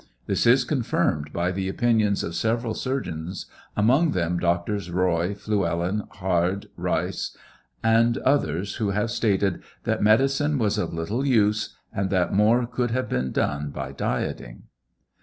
This is confirmed by the opinions of several sur geons, among them Drs. Eoy, Flewellen, Hard, Rice, and others, who have stated that medicine was of little use, and that more could have been done by dieting.